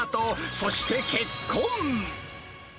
そして結婚。